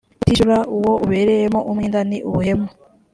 kutishyura uwo ubereyemo umwenda ni ubuhemu